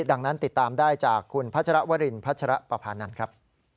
ดังนั้นติดตามได้จากคุณพัชรวรินพัชรปภานันทร์ครับ